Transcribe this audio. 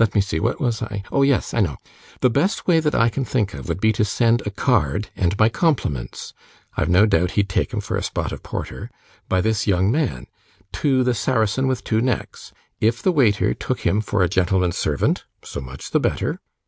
Let me see, what was I oh yes, I know. The best way that I can think of would be to send a card, and my compliments, (I've no doubt he'd take 'em for a pot of porter,) by this young man, to the Saracen with Two Necks. If the waiter took him for a gentleman's servant, so much the better.